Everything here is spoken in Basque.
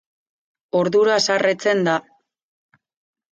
Orduro haserretzen da.